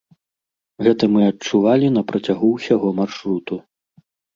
Гэта мы адчувалі на працягу ўсяго маршруту.